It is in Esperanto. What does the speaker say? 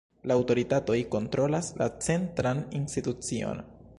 La aŭtoritatoj kontrolas la centran institucion.